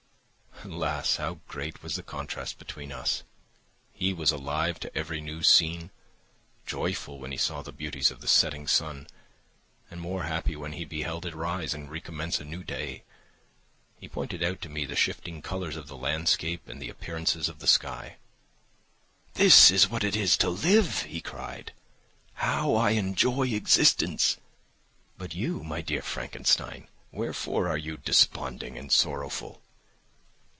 Alas, how great was the contrast between us! He was alive to every new scene, joyful when he saw the beauties of the setting sun, and more happy when he beheld it rise and recommence a new day. He pointed out to me the shifting colours of the landscape and the appearances of the sky. "This is what it is to live," he cried; "now I enjoy existence! But you, my dear Frankenstein, wherefore are you desponding and sorrowful!"